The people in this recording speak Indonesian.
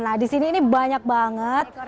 nah di sini ini banyak banget